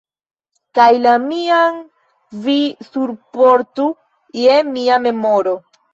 kaj la mian vi surportu je mia memoro.